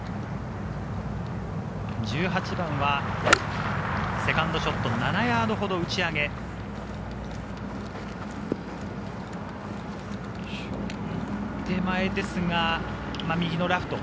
１８番はセカンドショット、７ヤードほど打ち上げ、手前ですが右のラフ。